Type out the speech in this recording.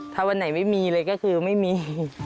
ถ้าวันไหนไม่มีเลยก็คือไม่มี